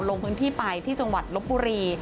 ลงพื้นที่ไปที่จังหวัดลบบุรี